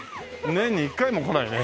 年に一回も来ないね。